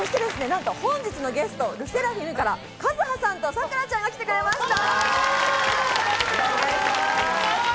なんと本日のゲストＬＥＳＳＥＲＡＦＩＭから、ＫＡＺＵＨＡさんとＳＡＫＵＲＡちゃんが来てくれました。